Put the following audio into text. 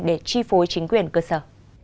để chi phối chính quyền cơ sở